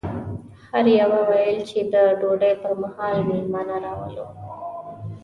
هر یوه ویل چې د ډوډۍ پر مهال مېلمانه راولو.